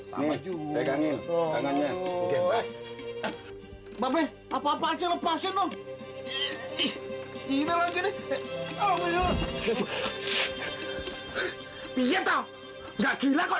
sama juga ini oh ya bapak apa apaan sih lepasin loh ini lagi nih oh ya pijat tahu gak gila kok